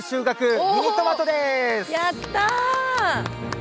やった！